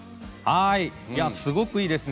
すごくいいですね。